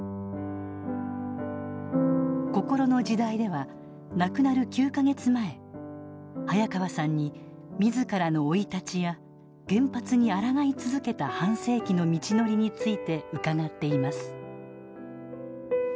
「こころの時代」では亡くなる９か月前早川さんに自らの生い立ちや原発に抗い続けた半世紀の道のりについて伺っています。